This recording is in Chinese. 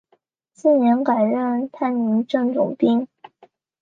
次年改任泰宁镇总兵。